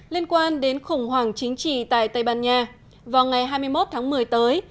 liên quan đến khủng hoảng chính trị tại tây ban nha vào ngày hai mươi một tháng một mươi tới